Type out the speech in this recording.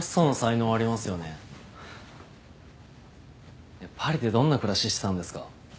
いやパリでどんな暮らししてたんですか？